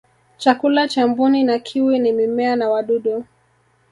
chakula cha mbuni na kiwi ni mimea na wadudu